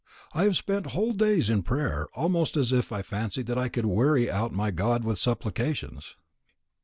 I have spent whole days in prayer, almost as if I fancied that I could weary out my God with supplications."